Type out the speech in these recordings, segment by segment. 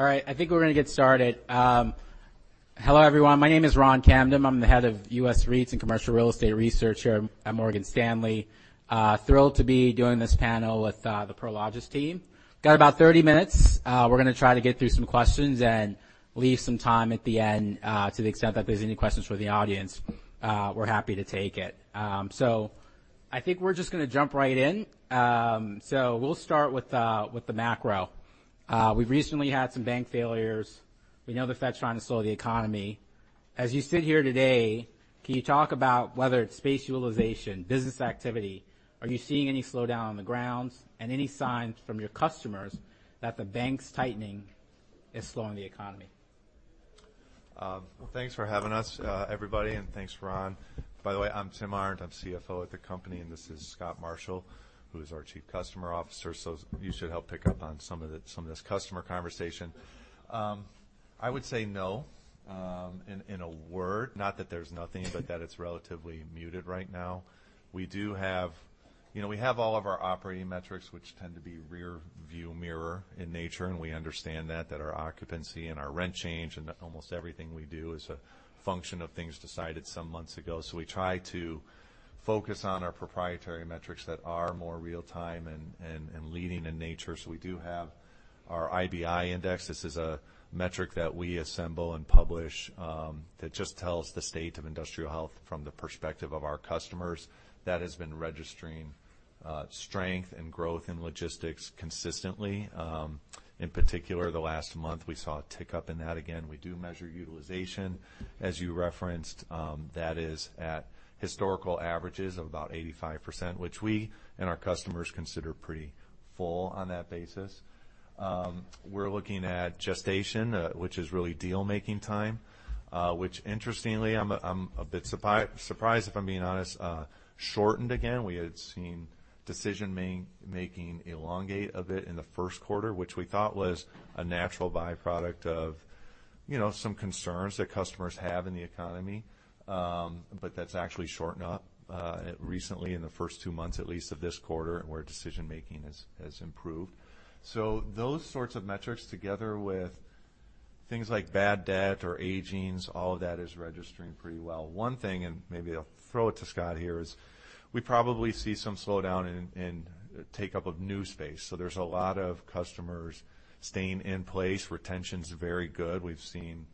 All right, I think we're gonna get started. Hello, everyone. My name is Ron Kamdem. I'm the Head of U.S. REITs and Commercial Real Estate Research here at Morgan Stanley. Thrilled to be doing this panel with the Prologis team. Got about 30 minutes. We're gonna try to get through some questions and leave some time at the end, to the extent that there's any questions from the audience, we're happy to take it. I think we're just gonna jump right in. We'll start with the macro. We've recently had some bank failures. We know the Fed's trying to slow the economy. As you sit here today, can you talk about whether it's space utilization, business activity, are you seeing any slowdown on the grounds and any signs from your customers that the bank's tightening is slowing the economy? Well, thanks for having us, everybody, thanks, Ron. By the way, I'm Tim Arndt, I'm CFO at the company, and this is Scott Marshall, who is our Chief Customer Officer. You should help pick up on some of this customer conversation. I would say no, in a word, not that there's nothing, but that it's relatively muted right now. We do have. You know, we have all of our operating metrics, which tend to be rear view mirror in nature, and we understand that our occupancy and our rent change, and almost everything we do is a function of things decided some months ago. We try to focus on our proprietary metrics that are more real-time and leading in nature. We do have our IBI index. This is a metric that we assemble and publish that just tells the state of industrial health from the perspective of our customers. That has been registering strength and growth in logistics consistently. In particular, the last month, we saw a tick-up in that. Again, we do measure utilization. As you referenced, that is at historical averages of about 85%, which we and our customers consider pretty full on that basis. We're looking at gestation, which is really deal-making time, which interestingly, I'm a bit surprised, if I'm being honest, shortened again. We had seen decision making elongate a bit in the first quarter, which we thought was a natural byproduct of, you know, some concerns that customers have in the economy. That's actually shortened up recently in the first two months, at least, of this quarter, where decision making has improved. Those sorts of metrics, together with things like bad debt or agings, all of that is registering pretty well. One thing, and maybe I'll throw it to Scott here, is we probably see some slowdown in take-up of new space. There's a lot of customers staying in place. Retention's very good. We've seen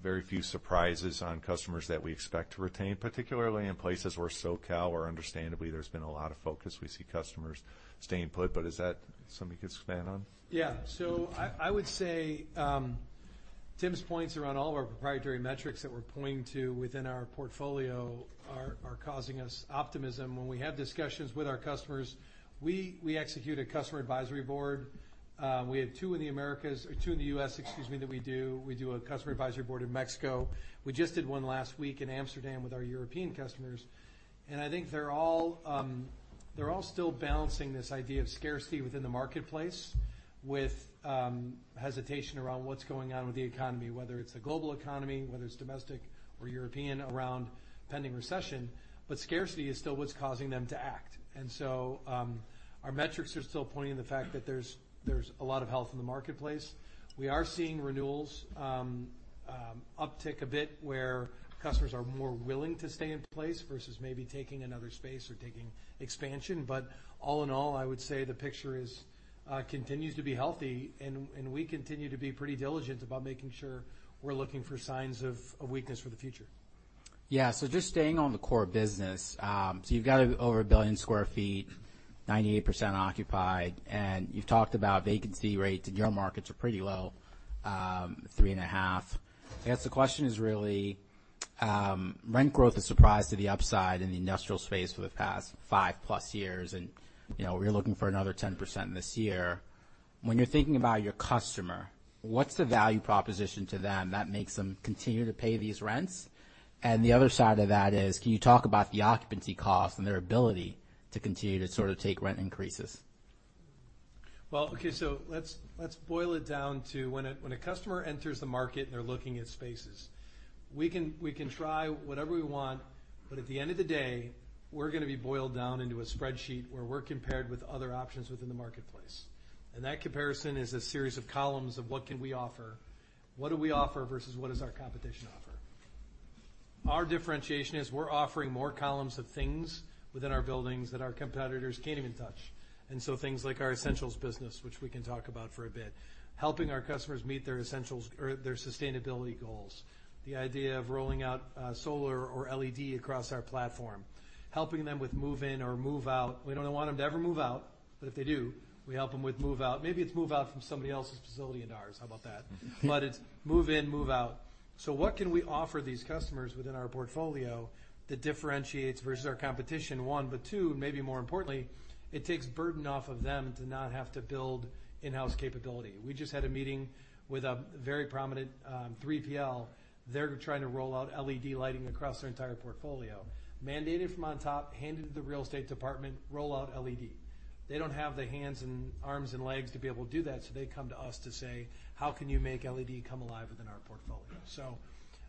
very few surprises on customers that we expect to retain, particularly in places where SoCal, where understandably, there's been a lot of focus. We see customers staying put, is that something you could expand on? I would say, Tim's points around all of our proprietary metrics that we're pointing to within our portfolio are causing us optimism. When we have discussions with our customers, we execute a Customer Advisory Board. We have two in the Americas, or two in the U.S., excuse me, that we do. We do a Customer Advisory Board in Mexico. We just did one last week in Amsterdam with our European customers. I think they're all still balancing this idea of scarcity within the marketplace with hesitation around what's going on with the economy, whether it's the global economy, whether it's domestic or European, around pending recession. Scarcity is still what's causing them to act. Our metrics are still pointing to the fact that there's a lot of health in the marketplace. We are seeing renewals, uptick a bit where customers are more willing to stay in place versus maybe taking another space or taking expansion. All in all, I would say the picture is, continues to be healthy and we continue to be pretty diligent about making sure we're looking for signs of weakness for the future. Yeah. Just staying on the core business, you've got over 1 billion sq ft, 98% occupied, you've talked about vacancy rates in your markets are pretty low, 3.5. I guess the question is really, rent growth is a surprise to the upside in the industrial space for the past 5+ years, you know, we're looking for another 10% this year. When you're thinking about your customer, what's the value proposition to them that makes them continue to pay these rents? The other side of that is, can you talk about the occupancy costs and their ability to continue to sort of take rent increases? Well, okay, let's boil it down to when a customer enters the market and they're looking at spaces, we can try whatever we want, but at the end of the day, we're gonna be boiled down into a spreadsheet where we're compared with other options within the marketplace. That comparison is a series of columns of what can we offer. What do we offer versus what does our competition offer? Our differentiation is we're offering more columns of things within our buildings that our competitors can't even touch. Things like our Essentials business, which we can talk about for a bit, helping our customers meet their essentials or their sustainability goals. The idea of rolling out solar or LED across our platform, helping them with move in or move out. We don't want them to ever move out. If they do, we help them with move out. Maybe it's move out from somebody else's facility into ours. How about that? It's move in, move out. What can we offer these customers within our portfolio that differentiates versus our competition, one, but two, maybe more importantly, it takes burden off of them to not have to build in-house capability. We just had a meeting with a very prominent 3PL. They're trying to roll out LED lighting across their entire portfolio. Mandated from on top, handed to the real estate department, roll out LED. They don't have the hands and arms and legs to be able to do that, they come to us to say, "How can you make LED come alive within our portfolio?"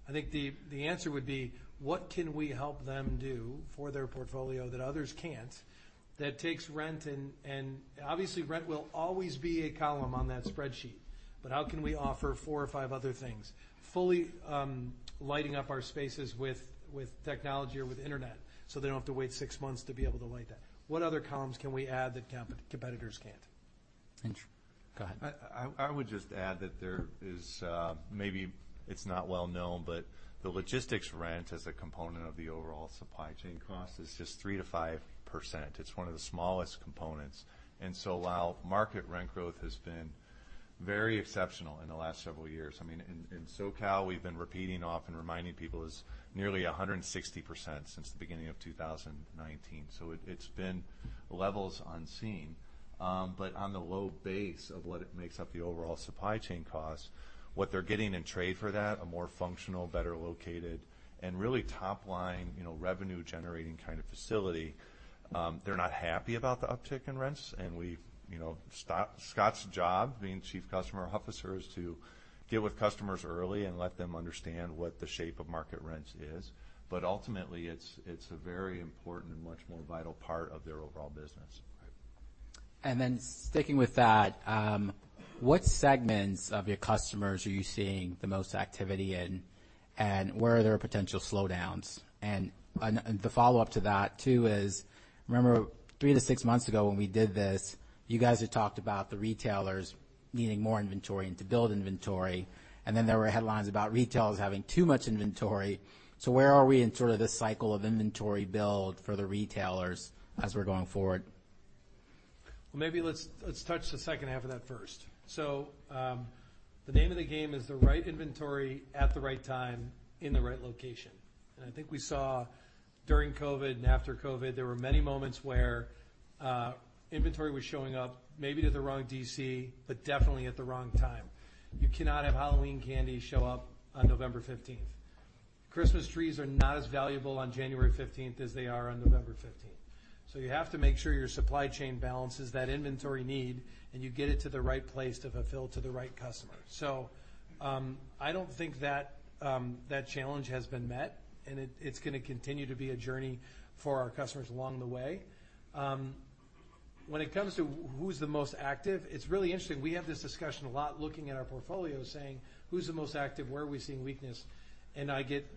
I think the answer would be: What can we help them do for their portfolio that others can't? That takes rent and. Obviously, rent will always be a column on that spreadsheet, but how can we offer four or five other things? Fully lighting up our spaces with technology or with internet, so they don't have to wait 6 months to be able to light that. What other columns can we add that competitors can't?... Go ahead. I would just add that there is, maybe it's not well known, but the logistics rent as a component of the overall supply chain cost is just 3%-5%. It's one of the smallest components. While market rent growth has been very exceptional in the last several years, I mean, in SoCal, we've been repeating often, reminding people is nearly 160% since the beginning of 2019. It's been levels unseen. But on the low base of what it makes up the overall supply chain costs, what they're getting in trade for that, a more functional, better located and really top line, you know, revenue generating kind of facility. They're not happy about the uptick in rents, and we've, you know, Scott's job, being Chief Customer Officer, is to get with customers early and let them understand what the shape of market rents is. Ultimately, it's a very important and much more vital part of their overall business. Then sticking with that, what segments of your customers are you seeing the most activity in, and where are there potential slowdowns? The follow-up to that, too, is, remember, three to six months ago when we did this, you guys had talked about the retailers needing more inventory and to build inventory, and then there were headlines about retailers having too much inventory. Where are we in sort of this cycle of inventory build for the retailers as we're going forward? Well, maybe let's touch the second half of that first. The name of the game is the right inventory at the right time, in the right location. I think we saw during COVID and after COVID, there were many moments where inventory was showing up maybe to the wrong D.C., but definitely at the wrong time. You cannot have Halloween candy show up on November 15th. Christmas trees are not as valuable on January 15th as they are on November 15th. You have to make sure your supply chain balances that inventory need, and you get it to the right place to fulfill to the right customer. I don't think that challenge has been met, and it's gonna continue to be a journey for our customers along the way. When it comes to who's the most active, it's really interesting. We have this discussion a lot, looking at our portfolio, saying: Who's the most active? Where are we seeing weakness? I get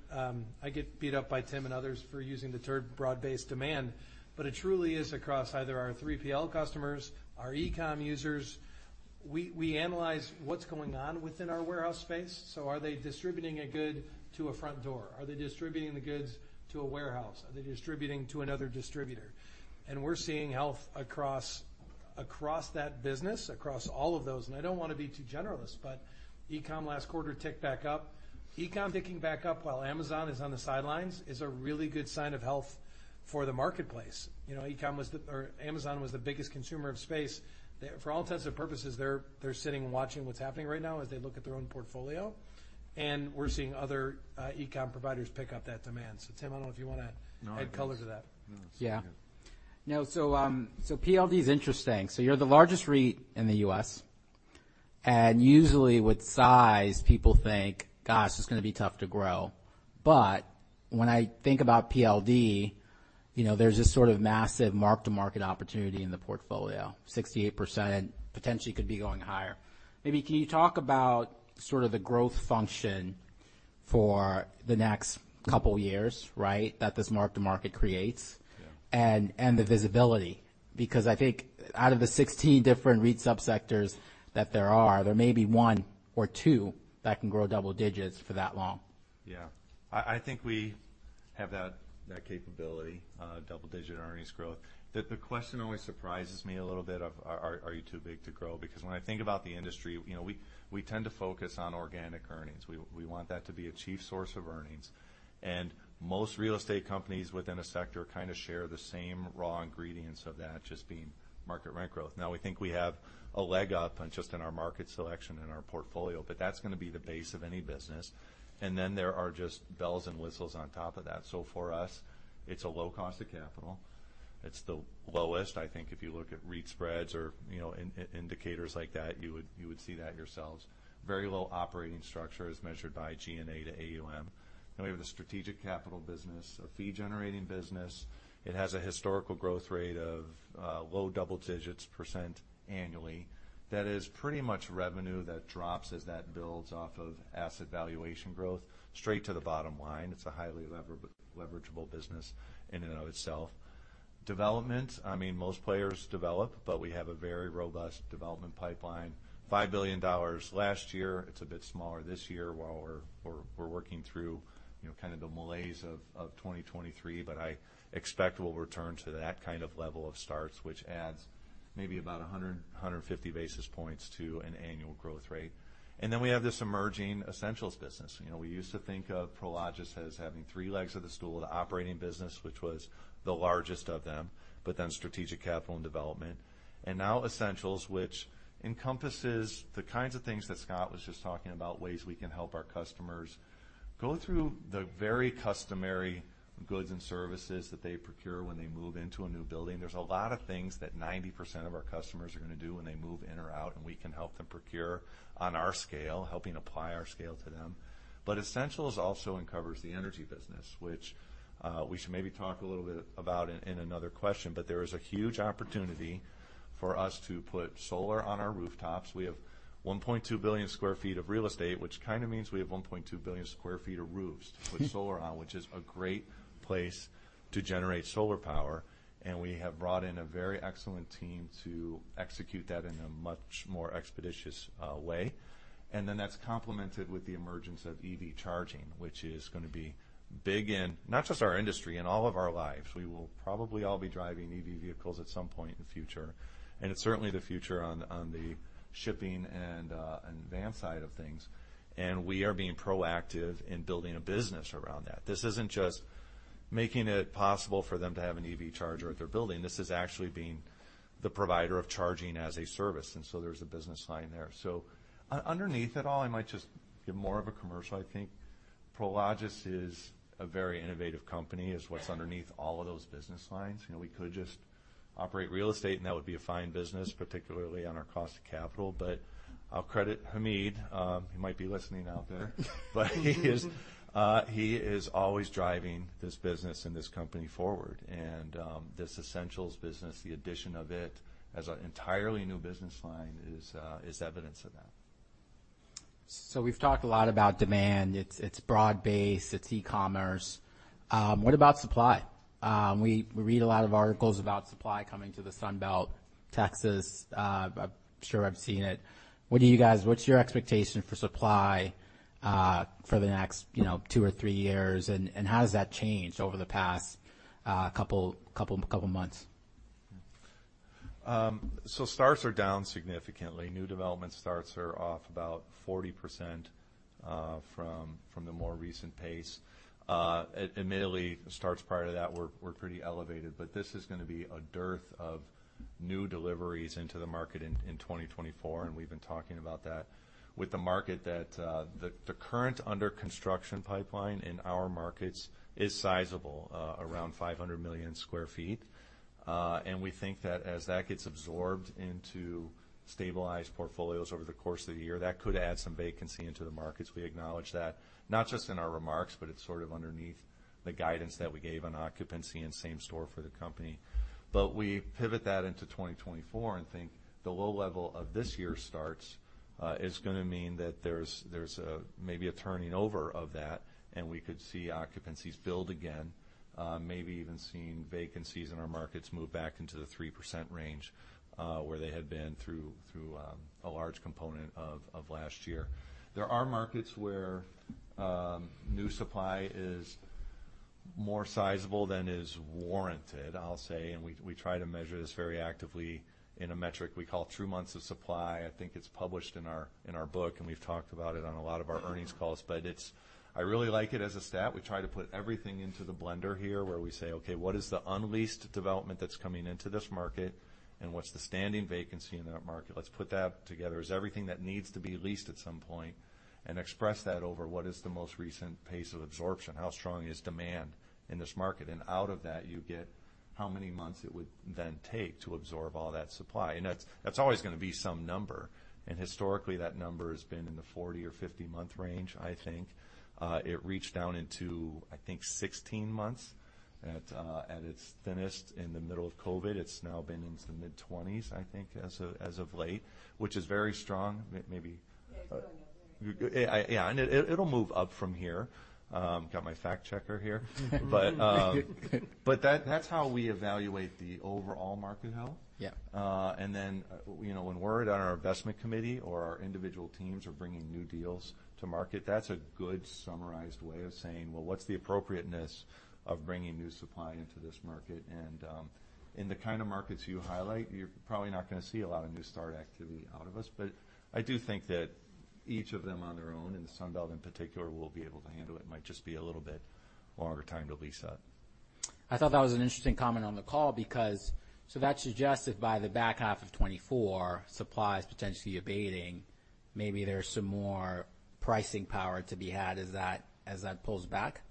beat up by Tim and others for using the term broad-based demand, it truly is across either our 3PL customers, our e-com users. We analyze what's going on within our warehouse space. Are they distributing a good to a front door? Are they distributing the goods to a warehouse? Are they distributing to another distributor? We're seeing health across that business, across all of those. I don't want to be too generalist, e-com last quarter ticked back up. E-com ticking back up while Amazon is on the sidelines, is a really good sign of health for the marketplace. You know, e-com was or Amazon was the biggest consumer of space. For all intents and purposes, they're sitting and watching what's happening right now as they look at their own portfolio, and we're seeing other e-com providers pick up that demand. Tim, I don't know if you want to- No. Add color to that. No. Yeah. Now, PLD is interesting. You're the largest REIT in the U.S., and usually with size, people think, "Gosh, it's gonna be tough to grow." When I think about PLD, you know, there's this sort of massive mark-to-market opportunity in the portfolio. 68%, potentially could be going higher. Maybe can you talk about sort of the growth function for the next couple of years, right? That this mark-to-market creates- Yeah... and the visibility, because I think out of the 16 different REIT subsectors that there are, there may be one or two that can grow double digits for that long. Yeah. I think we have that capability, double-digit earnings growth. The question always surprises me a little bit of, are you too big to grow? When I think about the industry, you know, we tend to focus on organic earnings. We want that to be a chief source of earnings, and most real estate companies within a sector kind of share the same raw ingredients of that, just being market rent growth. We think we have a leg up on just in our market selection and our portfolio, but that's gonna be the base of any business. Then there are just bells and whistles on top of that. For us, it's a low cost of capital. It's the lowest. I think if you look at REIT spreads or, you know, indicators like that, you would, you would see that yourselves. Very low operating structure as measured by G&A to AUM. We have the strategic capital business, a fee-generating business. It has a historical growth rate of low double-digits percent annually. That is pretty much revenue that drops as that builds off of asset valuation growth straight to the bottom line. It's a highly leverageable business in and of itself. Development, I mean, most players develop, but we have a very robust development pipeline. $5 billion last year. It's a bit smaller this year while we're working through, you know, kind of the malaise of 2023, but I expect we'll return to that kind of level of starts, which adds maybe about 100, 150 basis points to an annual growth rate. We have this emerging Essentials business. You know, we used to think of Prologis as having three legs of the stool, the operating business, which was the largest of them, but then strategic capital and development. Now Essentials, which encompasses the kinds of things that Scott was just talking about, ways we can help our customers go through the very customary goods and services that they procure when they move into a new building. There's a lot of things that 90% of our customers are gonna do when they move in or out, and we can help them procure on our scale, helping apply our scale to them. Essentials also covers the energy business, which we should maybe talk a little bit about in another question, but there is a huge opportunity for us to put solar on our rooftops. We have 1.2 billion sq ft of real estate, which kind of means we have 1.2 billion sq ft of roofs to put solar on, which is a great place to generate solar power. We have brought in a very excellent team to execute that in a much more expeditious way. That's complemented with the emergence of EV charging, which is gonna be big in, not just our industry, in all of our lives. We will probably all be driving EV vehicles at some point in the future, and it's certainly the future on the shipping and van side of things. We are being proactive in building a business around that. This isn't just making it possible for them to have an EV charger at their building. This is actually being the provider of charging as a service. There's a business line there. Underneath it all, I might just give more of a commercial, I think. Prologis is a very innovative company, is what's underneath all of those business lines. You know, we could just operate real estate, and that would be a fine business, particularly on our cost of capital. I'll credit Hamid, he might be listening out there. He is always driving this business and this company forward. This Essentials business, the addition of it, as an entirely new business line, is evidence of that. We've talked a lot about demand. It's, it's broad-based, it's e-commerce. What about supply? We, we read a lot of articles about supply coming to the Sun Belt, Texas, I'm sure I've seen it. What's your expectation for supply for the next, you know, two or three years? How has that changed over the past couple months? Starts are down significantly. New development starts are off about 40% from the more recent pace. Admittedly, starts prior to that were pretty elevated, but this is gonna be a dearth of new deliveries into the market in 2024, and we've been talking about that. With the market that, the current under-construction pipeline in our markets is sizable, around 500 million sq ft. We think that as that gets absorbed into stabilized portfolios over the course of the year, that could add some vacancy into the markets. We acknowledge that, not just in our remarks, but it's sort of underneath the guidance that we gave on occupancy and same store for the company. We pivot that into 2024 and think the low level of this year's starts is gonna mean that there's maybe a turning over of that, and we could see occupancies build again, maybe even seeing vacancies in our markets move back into the 3% range where they had been through a large component of last year. There are markets where new supply is more sizable than is warranted, I'll say, and we try to measure this very actively in a metric we call True Months of Supply. I think it's published in our book, and we've talked about it on a lot of our earnings calls. I really like it as a stat. We try to put everything into the blender here, where we say: Okay, what is the unleased development that's coming into this market? What's the standing vacancy in that market? Let's put that together. Is everything that needs to be leased at some point, and express that over what is the most recent pace of absorption? How strong is demand in this market? Out of that, you get how many months it would then take to absorb all that supply. That's, that's always gonna be some number. Historically, that number has been in the 40 month or 50 month range, I think. It reached down into, I think, 16 months at its thinnest in the middle of COVID. It's now been into the mid-20s, I think, as of, as of late, which is very strong. Maybe Yeah, it's going up. It'll move up from here. Got my fact checker here. That's how we evaluate the overall market health. Yeah. You know, when we're on our investment committee or our individual teams are bringing new deals to market, that's a good summarized way of saying: Well, what's the appropriateness of bringing new supply into this market? In the kind of markets you highlight, you're probably not gonna see a lot of new start activity out of us. I do think that each of them, on their own, and the Sun Belt in particular, will be able to handle it. It might just be a little bit longer time to lease that. I thought that was an interesting comment on the call that suggests that by the back half of 2024, supply is potentially abating, maybe there's some more pricing power to be had as that, as that pulls back?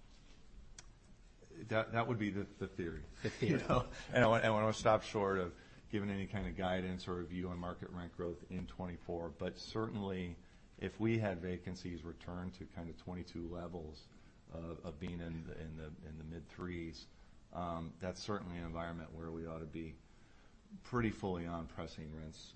That would be the theory. The theory. You know, I want to stop short of giving any kind of guidance or view on market rent growth in 2024. Certainly, if we had vacancies return to kind of 2022 levels of being in the mid-3s, that's certainly an environment where we ought to be pretty fully on pressing rents.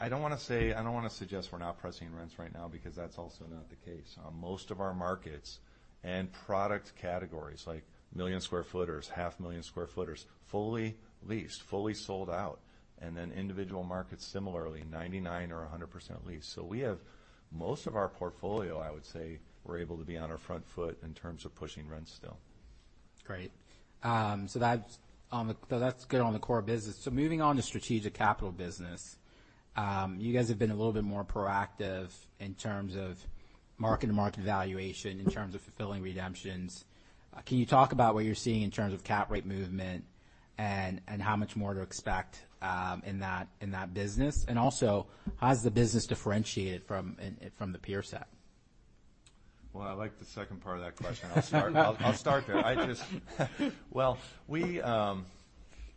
I don't wanna suggest we're not pressing rents right now, because that's also not the case. Most of our markets and product categories, like million sq ft, half-million sq ft, fully leased, fully sold out, and then individual markets, similarly, 99% or 100% leased. We have most of our portfolio, I would say, we're able to be on our front foot in terms of pushing rents still. Great. That's good on the core business. Moving on to strategic capital business. You guys have been a little bit more proactive in terms of mark-to-market valuation, in terms of fulfilling redemptions. Can you talk about what you're seeing in terms of cap rate movement and how much more to expect in that business? Also, how is the business differentiated from the peer set? Well, I like the second part of that question. I'll start there. Well, we...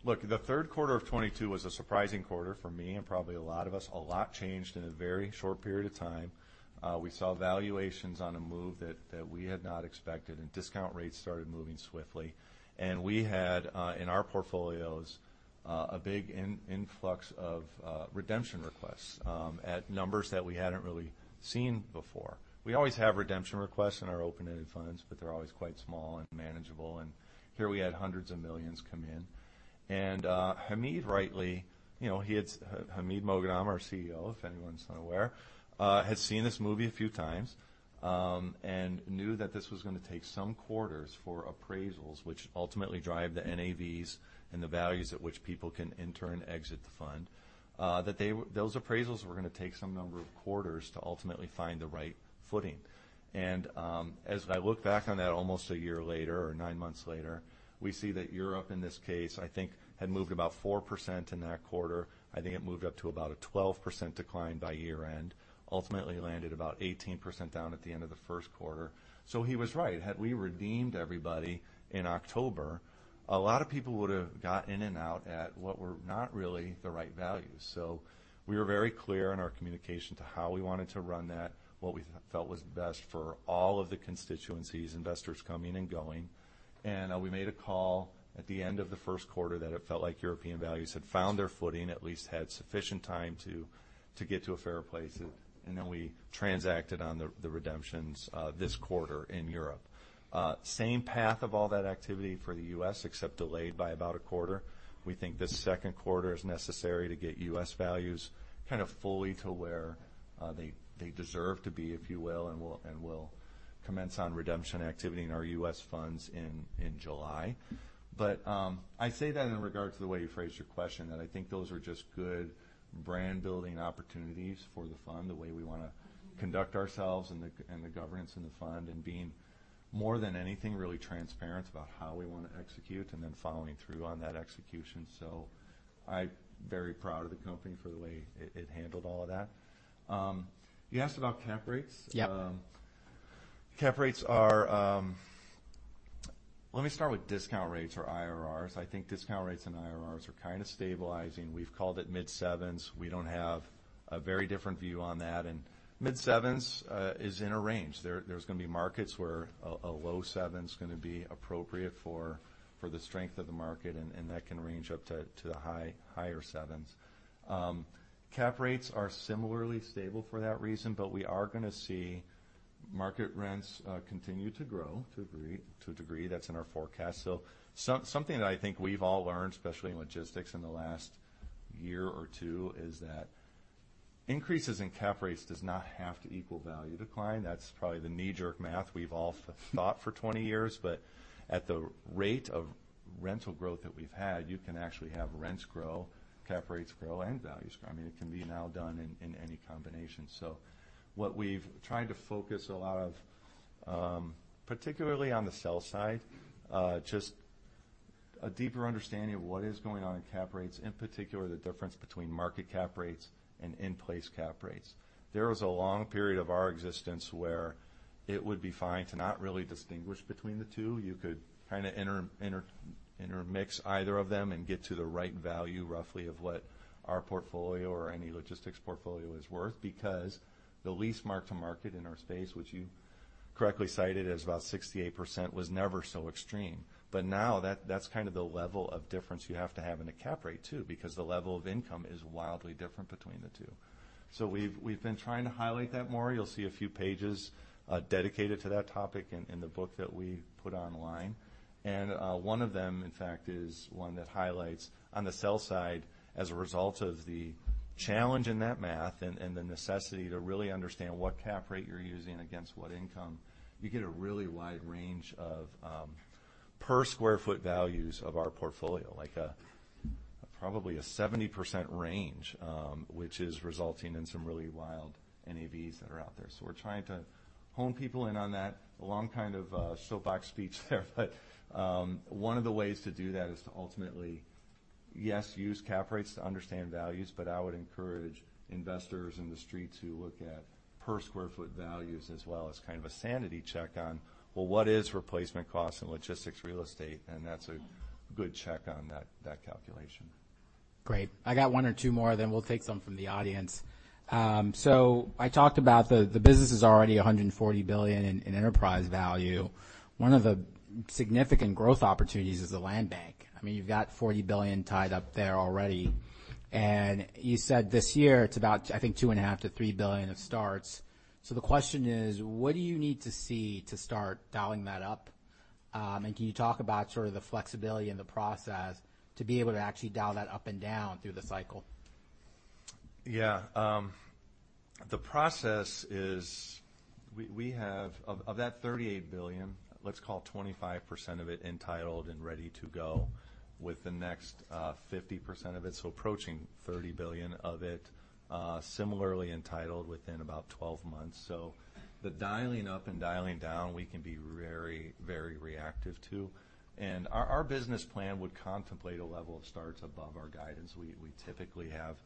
Look, the third quarter of 2022 was a surprising quarter for me and probably a lot of us. A lot changed in a very short period of time. We saw valuations on the move that we had not expected, and discount rates started moving swiftly. We had in our portfolios... a big influx of redemption requests at numbers that we hadn't really seen before. We always have redemption requests in our open-ended funds, but they're always quite small and manageable, and here we had $hundreds of millions come in. Hamid rightly, you know, Hamid Moghadam, our CEO, if anyone's not aware, had seen this movie a few times and knew that this was gonna take some quarters for appraisals, which ultimately drive the NAVs and the values at which people can enter and exit the fund. Those appraisals were gonna take some number of quarters to ultimately find the right footing. As I look back on that almost a year later or nine months later, we see that Europe, in this case, I think, had moved about 4% in that quarter. I think it moved up to about a 12% decline by year-end, ultimately landed about 18% down at the end of the first quarter. He was right. Had we redeemed everybody in October, a lot of people would have got in and out at what were not really the right values. We were very clear in our communication to how we wanted to run that, what we felt was best for all of the constituencies, investors coming and going. We made a call at the end of the first quarter that it felt like European values had found their footing, at least had sufficient time to get to a fair place, and then we transacted on the redemptions this quarter in Europe. Same path of all that activity for the U.S., except delayed by about a quarter. We think this second quarter is necessary to get U.S. values kind of fully to where they deserve to be, if you will, and we'll commence on redemption activity in our U.S. funds in July. I say that in regard to the way you phrased your question, that I think those are just good brand-building opportunities for the fund, the way we wanna conduct ourselves and the governance in the fund, and being, more than anything, really transparent about how we want to execute and then following through on that execution. I'm very proud of the company for the way it handled all of that. You asked about cap rates? Yep. cap rates are. Let me start with discount rates or IRRs. I think discount rates and IRRs are kind of stabilizing. We've called it mid-sevens. We don't have a very different view on that. Mid-sevens is in a range. There's gonna be markets where a low seven's gonna be appropriate for the strength of the market. That can range up to the higher sevens. cap rates are similarly stable for that reason. We are gonna see market rents continue to grow to a degree. That's in our forecast. Something that I think we've all learned, especially in logistics in the last year or two, is that increases in cap rates does not have to equal value decline. That's probably the knee-jerk math we've all thought for 20 years. At the rate of rental growth that we've had, you can actually have rents grow, cap rates grow, and values grow. I mean, it can be now done in any combination. What we've tried to focus a lot of, particularly on the sell side, just a deeper understanding of what is going on in cap rates, in particular, the difference between market cap rates and in-place cap rates. There was a long period of our existence where it would be fine to not really distinguish between the two. You could kind of intermix either of them and get to the right value, roughly, of what our portfolio or any logistics portfolio is worth, because the lease mark-to-market in our space, which you correctly cited as about 68%, was never so extreme. Now that's kind of the level of difference you have to have in a cap rate, too, because the level of income is wildly different between the two. We've been trying to highlight that more. You'll see a few pages dedicated to that topic in the book that we put online. One of them, in fact, is one that highlights on the sell side as a result of the challenge in that math and the necessity to really understand what cap rate you're using against what income. You get a really wide range of per sq ft values of our portfolio, like, probably a 70% range, which is resulting in some really wild NAVs that are out there. We're trying to hone people in on that. A long kind of soapbox speech there, but one of the ways to do that is to ultimately, yes, use cap rates to understand values, but I would encourage investors in the street to look at per square foot values as well as kind of a sanity check on, well, what is replacement cost in logistics real estate? That's a good check on that calculation. Great. I got one or two more, then we'll take some from the audience. I talked about the business is already $140 billion in enterprise value. One of the significant growth opportunities is the land bank. I mean, you've got $40 billion tied up there already, and you said this year, it's about, I think, $2.5 billion-$3 billion of starts. The question is: What do you need to see to start dialing that up? Can you talk about sort of the flexibility in the process to be able to actually dial that up and down through the cycle? Yeah, the process is we have. Of that $38 billion, let's call 25% of it entitled and ready to go with the next 50% of it, so approaching $30 billion of it, similarly entitled within about 12 months. The dialing up and dialing down, we can be very, very reactive to. Our business plan would contemplate a level of starts above our guidance. We typically have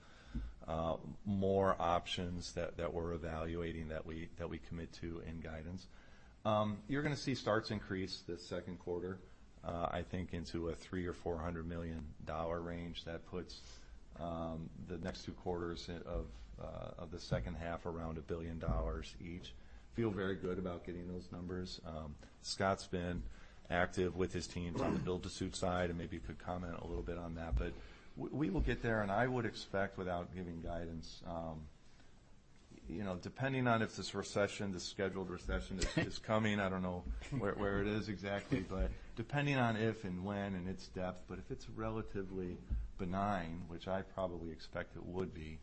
more options that we're evaluating, that we commit to in guidance. You're gonna see starts increase this second quarter, I think, into a $300 million-$400 million range. The next 2 quarters of the second half, around $1 billion each. Feel very good about getting those numbers. Scott's been active with his team on the build-to-suit side, and maybe you could comment a little bit on that, but we will get there, and I would expect, without giving guidance, you know, depending on if this recession, this scheduled recession, is coming, I don't know where it is exactly, but depending on if and when and its depth, but if it's relatively benign, which I probably expect it would be,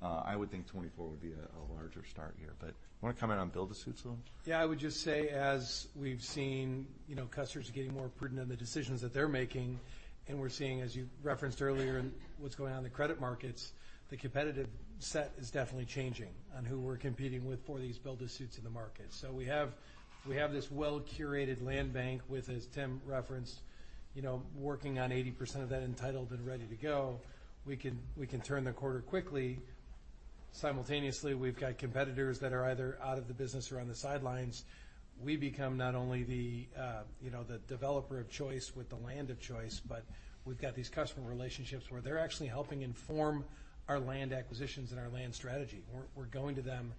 I would think 2024 would be a larger start here. You wanna comment on build-to-suit, Scott? I would just say, as we've seen, you know, customers are getting more prudent in the decisions that they're making, and we're seeing, as you referenced earlier, in what's going on in the credit markets, the competitive set is definitely changing on who we're competing with for these build-to-suits in the market. We have, we have this well-curated land bank with, as Tim referenced, you know, working on 80% of that entitled and ready to go. We can, we can turn the quarter quickly. Simultaneously, we've got competitors that are either out of the business or on the sidelines. We become not only the, you know, the developer of choice with the land of choice, but we've got these customer relationships where they're actually helping inform our land acquisitions and our land strategy. We're going to them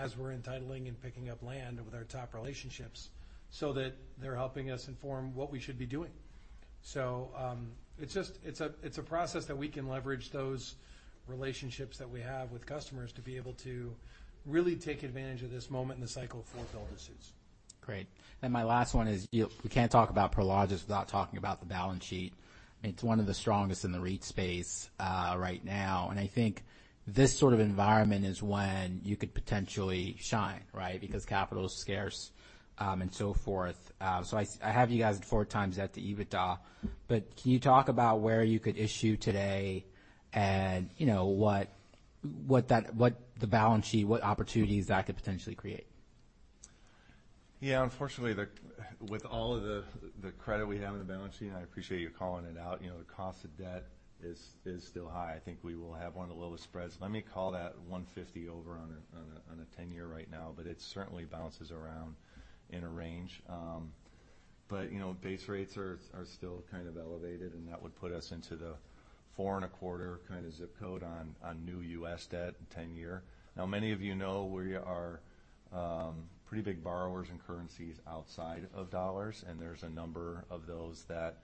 as we're entitling and picking up land with our top relationships, so that they're helping us inform what we should be doing. It's a process that we can leverage those relationships that we have with customers to be able to really take advantage of this moment in the cycle for build-to-suits. Great. My last one is, we can't talk about Prologis without talking about the balance sheet. It's one of the strongest in the REIT space right now. I think this sort of environment is when you could potentially shine, right? Because capital is scarce and so forth. I have you guys at four times at the EBITDA, but can you talk about where you could issue today and you know, what the balance sheet, what opportunities that could potentially create? Unfortunately, with all of the credit we have on the balance sheet, and I appreciate you calling it out, you know, the cost of debt is still high. I think we will have one of the lowest spreads. Let me call that 150 over on a 10-year right now, but it certainly bounces around in a range. But you know, base rates are still kind of elevated, and that would put us into the 4.25 kind of zip code on new U.S. debt, 10-year. Now, many of you know we are pretty big borrowers in currencies outside of dollars, and there's a number of those that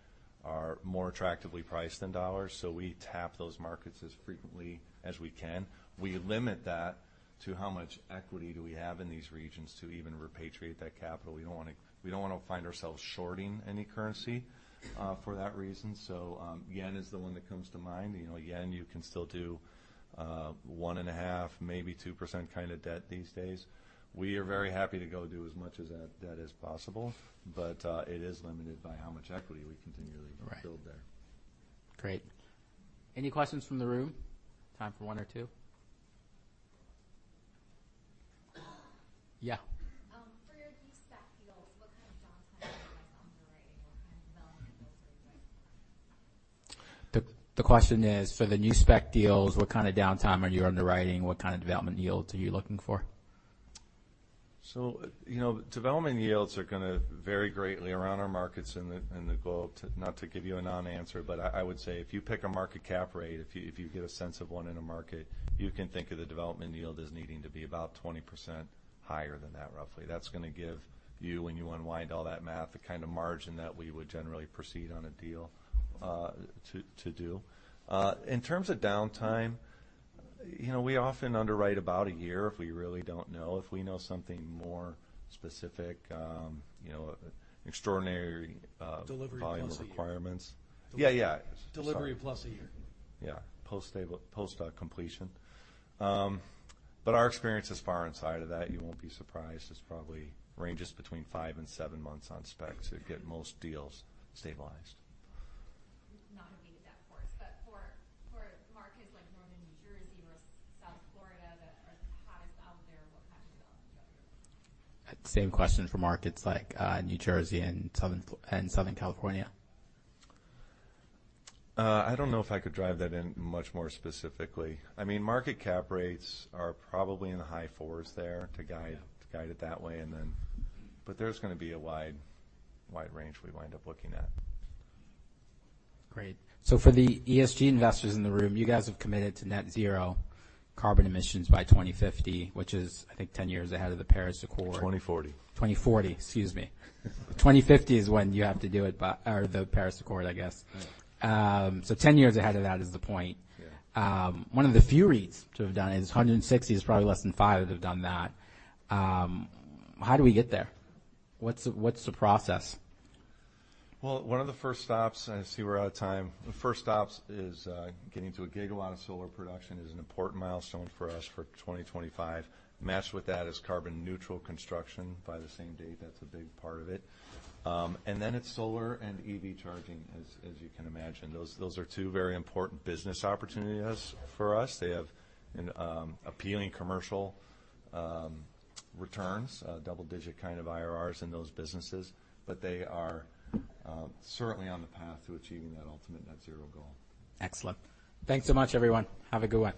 are more attractively priced than dollars, so we tap those markets as frequently as we can. We limit that to how much equity do we have in these regions to even repatriate that capital. We don't wanna find ourselves shorting any currency for that reason. Yen is the one that comes to mind. You know, yen, you can still do 1.5%, maybe 2% kind of debt these days. We are very happy to go do as much of that debt as possible, but it is limited by how much equity we continually. Right. -build there. Great. Any questions from the room? Time for one or two. Yeah. For your new spec deals, what kind of downtime are you underwriting? What kind of development yields are you looking for? The question is, for the new spec deals, what kind of downtime are you underwriting? What kind of development yields are you looking for? you know, development yields are gonna vary greatly around our markets in the globe. Not to give you a non-answer, but I would say if you pick a market cap rate, if you get a sense of one in a market, you can think of the development yield as needing to be about 20% higher than that, roughly. That's gonna give you, when you unwind all that math, the kind of margin that we would generally proceed on a deal to do. In terms of downtime, you know, we often underwrite about a year, if we really don't know. If we know something more specific, you know, extraordinary. Delivery plus a year. volume requirements. Yeah, yeah. Delivery plus a year. Yeah, post completion. Our experience is far inside of that, you won't be surprised. It's probably ranges between five and seven months on specs to get most deals stabilized. Not having that course, but for markets like northern New Jersey or South Florida, that are the hottest out there, what kind of development are you looking for? Same question for markets like, New Jersey and Southern California. I don't know if I could drive that in much more specifically. I mean, market cap rates are probably in the high fours there to guide it that way. There's gonna be a wide range we wind up looking at. Great. For the ESG investors in the room, you guys have committed to net zero carbon emissions by 2050, which is, I think, 10 years ahead of the Paris Agreement. 2040. 2040, excuse me. 2050 is when you have to do it, but... The Paris Agreement, I guess. Right. Ten years ahead of that is the point. Yeah. One of the few REITs to have done it, is 160, is probably less than five that have done that. How do we get there? What's the process? Well, one of the first stops, and I see we're out of time. The first stops is getting to a gigawatt of solar production is an important milestone for us for 2025. Matched with that is carbon neutral construction by the same date. That's a big part of it. Then it's solar and EV charging, as you can imagine. Those are two very important business opportunities for us. They have appealing commercial returns, double-digit kind of IRRs in those businesses, but they are certainly on the path to achieving that ultimate net zero goal. Excellent. Thanks so much, everyone. Have a good one.